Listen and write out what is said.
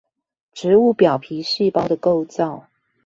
植物表皮細胞的構造